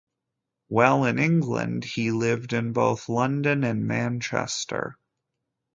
While in England he lived in both London and Manchester.